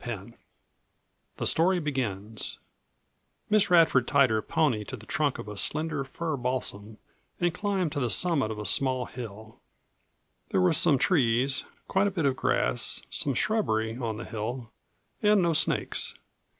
CHAPTER XII THE STORY BEGINS Miss Radford tied her pony to the trunk of a slender fir balsam and climbed to the summit of a small hill. There were some trees, quite a bit of grass, some shrubbery, on the hill and no snakes.